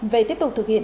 về tiếp tục thực hiện